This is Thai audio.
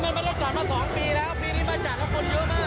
นี่มันต้องจอดมาสองปีแล้วปีนี้มาจัดแล้วคนเยอะมาก